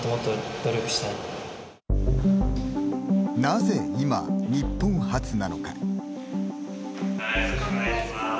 なぜ、今、日本発なのか。